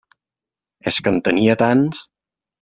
És que en tenia tants!